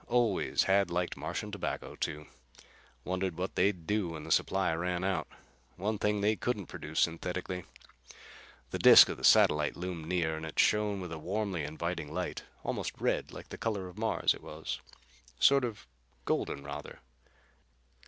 Always had liked Martian tobacco, too. Wondered what they'd do when the supply ran out. One thing they couldn't produce synthetically. The disc of the satellite loomed near and it shone with a warmly inviting light. Almost red, like the color of Mars, it was. Sort of golden, rather.